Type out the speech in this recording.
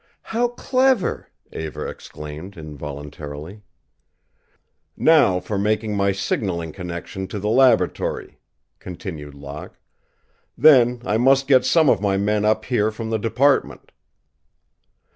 "How clever!" Eva exclaimed, involuntarily. "Now for making my signaling connection to the laboratory," continued Locke. "Then I must get some of my men up here from the department."